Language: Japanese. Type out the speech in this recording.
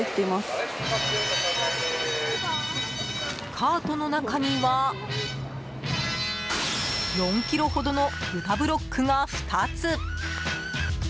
カートの中には４ｋｇほどの豚ブロックが２つ。